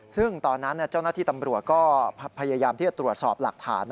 ซึ่งตอนนั้นเจ้าหน้าที่ตำรวจก็พยายามที่จะตรวจสอบหลักฐาน